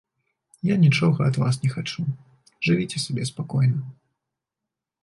Я нічога ад вас не хачу, жывіце сабе спакойна.